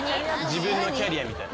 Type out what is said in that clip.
自分のキャリアみたいな。